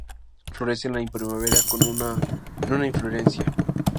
Florece en la primavera en una inflorescencia.